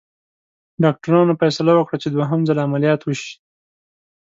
ډاکټرانو فیصله وکړه چې دوهم ځل عملیات وشي.